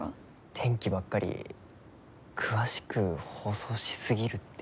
天気ばっかり詳しく放送しすぎるって。